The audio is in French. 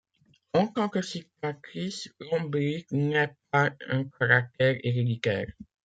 En tant que cicatrice, l'ombilic n'est pas un caractère héréditaire.